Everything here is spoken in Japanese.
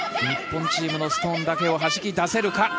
日本チームのストーンだけをはじき出せるか。